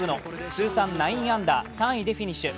通算９アンダー３位でフィニッシュ。